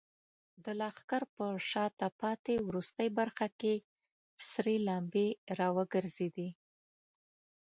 د لښکر په شاته پاتې وروستۍ برخه کې سرې لمبې راوګرځېدې.